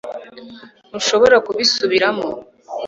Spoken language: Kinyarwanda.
ntushobora kubisubiramo